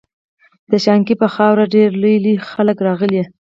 د شانګلې پۀ خاوره ډېر لوئ لوئ خلق راغلي